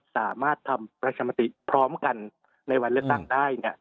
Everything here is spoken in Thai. สามารถทำประชามติพร้อมกันในวันเลือกตั้งได้เนี่ย